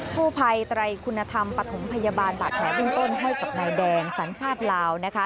ผู้ภัยไตรคุณธรรมปฐมพยาบาลบาดแผลเบื้องต้นให้กับนายแดงสัญชาติลาวนะคะ